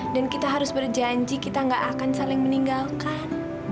dan kita harus berjanji kita nggak akan saling meninggalkan